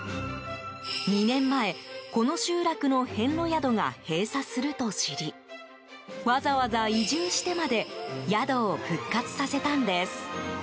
２年前、この集落の遍路宿が閉鎖すると知りわざわざ移住してまで宿を復活させたんです。